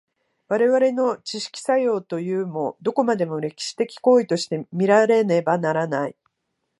我々の知識作用というも、どこまでも歴史的行為として見られねばならない。